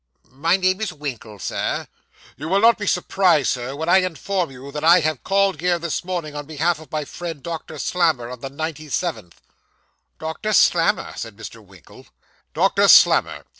'My name is Winkle, sir.' 'You will not be surprised, sir, when I inform you that I have called here this morning on behalf of my friend, Doctor Slammer, of the 97th.' 'Doctor Slammer!' said Mr. Winkle. 'Doctor Slammer.